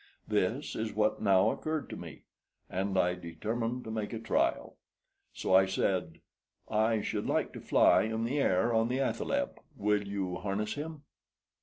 This is what now occurred to me, and I determined to make a trial. So I said: "I should like to fly in the air on the athaleb. Will you harness him?"